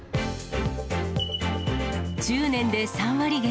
１０年で３割減。